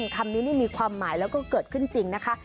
คำนี้นี่มีความหมายแล้วก็เกิดขึ้นจริงนะคะ